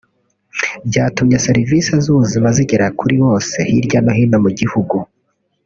byatumye serivisi z’ubuzima zigera kuri bose hirya no hino mu gihugu